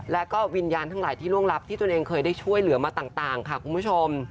และก็วิญญาณทั้งหลายที่ล่วงลับที่ตัวเองเคยได้ช่วยเหลือมาต่างค่ะคุณผู้ชม